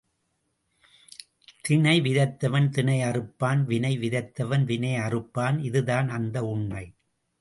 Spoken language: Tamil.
தினை விதைத்தவன் தினை அறுப்பான் வினை விதைத்தவன் வினை அறுப்பான் இதுதான் அந்த உண்மை.